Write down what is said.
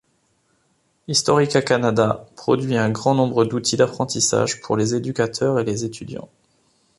Historica Canada produit un grand nombre d’outils d’apprentissage pour les éducateurs et les étudiants.